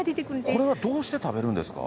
これはどうして食べるんですか？